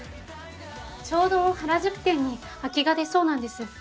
ちょうど原宿店に空きが出そうなんです。